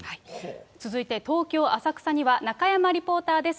続いて東京・浅草には中山リポーターです。